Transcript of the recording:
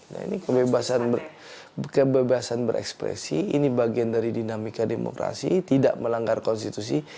nah ini kebebasan berekspresi ini bagian dari dinamika demokrasi tidak melanggar konstitusi